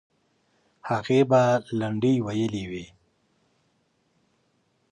هغې به لنډۍ ویلې وي.